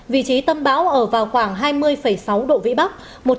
vị trí tâm bão ở vào khoảng hai mươi sáu độ vĩ bắc